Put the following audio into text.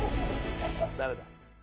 誰だ？